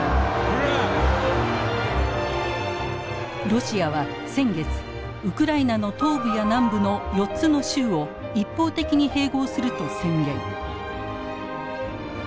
ロシアは先月ウクライナの東部や南部の４つの州を一方的に併合すると宣言。